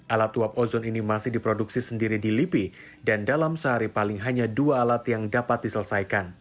alat uap ozon ini masih diproduksi sendiri di lipi dan dalam sehari paling hanya dua alat yang dapat diselesaikan